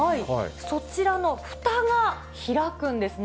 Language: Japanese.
そちらのふたが開くんですね。